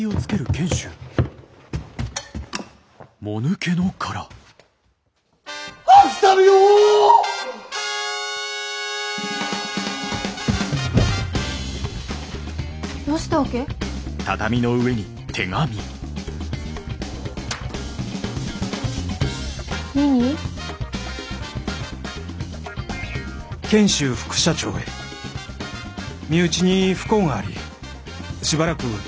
「賢秀副社長へ身内に不幸がありしばらく東京を離れる。